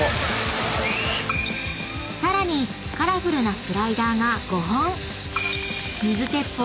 ［さらにカラフルなスライダーが５本］